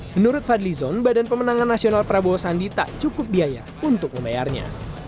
menurut fadlizon badan pemenangan nasional prabowo sandi tak cukup biaya untuk membayarnya